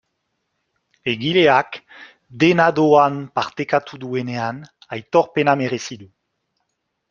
Egileak dena doan partekatu duenean aitorpena merezi du.